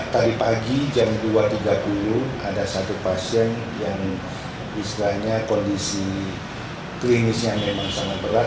tadi pagi jam dua tiga puluh ada satu pasien yang istilahnya kondisi klinisnya memang sangat berat